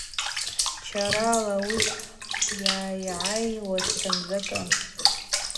Чарала ауи швйайгӏайуазтын – закӏы.